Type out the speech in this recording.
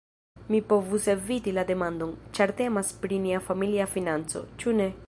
Mi povus eviti la demandon, ĉar temas pri nia familia financo, ĉu ne?